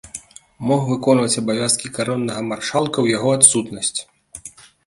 Мог выконваць абавязкі кароннага маршалка ў яго адсутнасць.